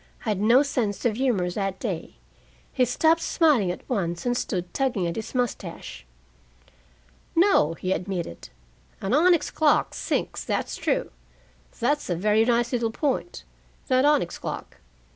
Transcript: I had no sense of humor that day. He stopped smiling at once, and stood tugging at his mustache. "No," he admitted. "An onyx clock sinks, that's true. That's a very nice little point, that onyx clock.